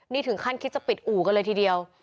นี่ถึงขั้นคิดจะปิดอู่กันเลยทีเดียว